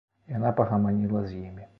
Яна пагаманіла з імі.